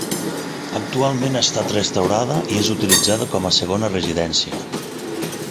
Actualment ha estat restaurada i és utilitzada com a segona residència.